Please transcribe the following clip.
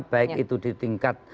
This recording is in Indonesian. baik itu di tingkat